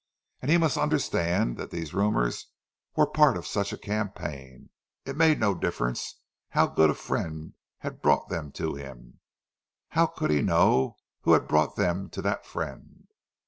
And he must understand that these rumours were part of such a campaign; it made no difference how good a friend had brought them to him—how could he know who had brought them to that friend?